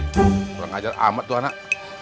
kurang ajar amat tuh anak